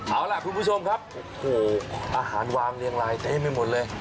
เอาล่ะคุณผู้ชมครับโอ้โหอาหารวางเรียงลายเต็มไปหมดเลย